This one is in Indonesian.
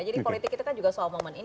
jadi politik itu kan juga soal momen